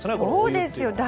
そうですよ。